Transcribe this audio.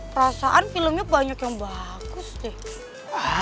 perasaan filmnya banyak yang bagus sih